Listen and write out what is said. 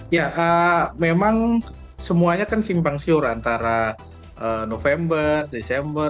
ya memang semuanya kan simpang siur antara november desember